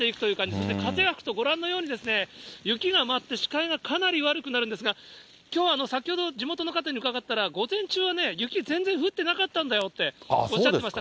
それで風が吹くと、ご覧のようにですね、雪が舞って、視界がかなり悪くなるんですが、きょうは先ほど、地元の方に伺ったら、午前中は雪、全然降ってなかったんだよっておっしゃってました。